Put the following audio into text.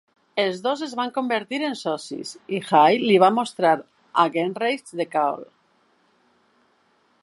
Els dos es van convertir en socis, i Hay li va mostrar a Gernreich The Call.